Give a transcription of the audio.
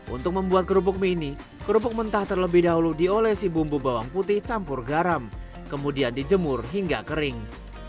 untuk membuat kerupuk mie ini kerupuk mentah terlebih dahulu diolesi bumbu bawang putih campur garam kemudian dijemur hingga kering